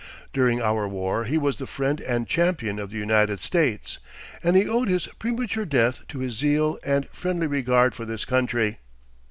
During our war he was the friend and champion of the United States, and he owed his premature death to his zeal and friendly regard for this country.